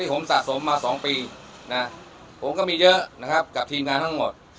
ผมสะสมมา๒ปีนะผมก็มีเยอะนะครับกับทีมงานทั้งหมด